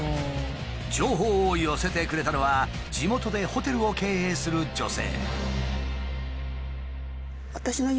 情報を寄せてくれたのは地元でホテルを経営する女性。